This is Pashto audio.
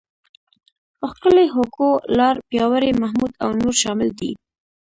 ښکلی، هوګو، لاړ، پیاوړی، محمود او نور شامل دي.